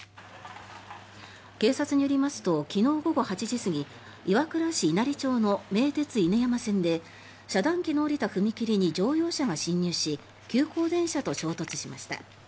警察によりますと昨日午後８時過ぎ岩倉市稲荷町の名鉄犬山線で遮断機の下りた踏切に乗用車が進入し急行電車と衝突しました。